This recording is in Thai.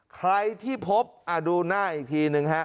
ใครที่พบดูหน้าอีกทีหนึ่งฮะ